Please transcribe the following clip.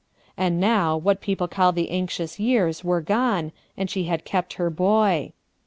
And now, what people call the anxious years were gone, and she had kept her boy.